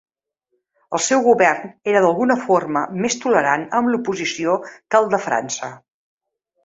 El seu govern era d'alguna forma més tolerant amb l'oposició que el de França.